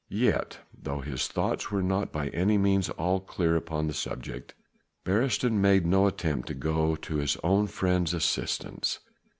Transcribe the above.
Yet, though his thoughts were not by any means all clear upon the subject, Beresteyn made no attempt to go to his own friend's assistance.